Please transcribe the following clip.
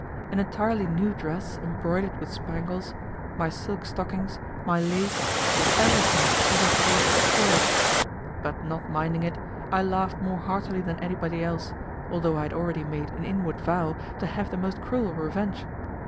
An entirely new dress, embroidered with spangles, my silk stockings, my lace, everything, was of course spoiled, but not minding it, I laughed more heartily that anybody else, although I had already made an inward vow to have the most cruel revenge.